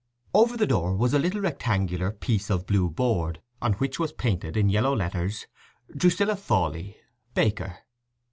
Over the door was a little rectangular piece of blue board, on which was painted in yellow letters, "Drusilla Fawley, Baker."